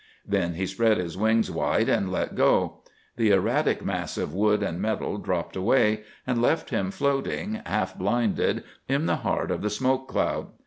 Then he spread his wings wide and let go. The erratic mass of wood and metal dropped away, and left him floating, half blinded, in the heart of the smoke cloud.